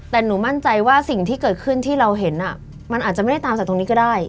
แต่หนูมั่นใจว่าสิ่งที่เกิดขึ้นที่เราเห็นมันอาจจะไม่ได้ตามจากตรงนี้ก็ได้